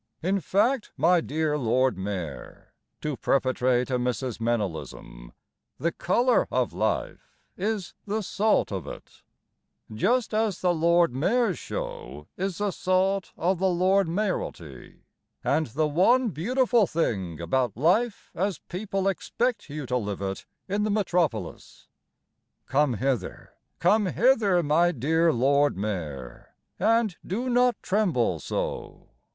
In fact, my dear Lord Mayor, To perpetrate a Mrs. Meynellism, The colour of life is the salt of it, Just as the Lord Mayor's Show is the salt of the Lord Mayoralty And the one beautiful thing About life as people expect you to live it In the Metropolis. Come hither, come hither, my dear Lord Mayor, And do not tremble so!